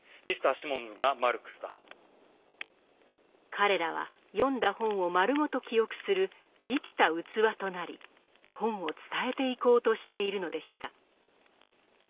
彼らは読んだ本を丸ごと記憶する生きた器となり本を伝えていこうとしているのでした。